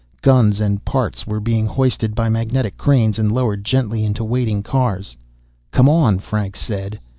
Guns and parts were being hoisted by magnetic cranes and lowered gently onto waiting carts. "Come on," Franks said.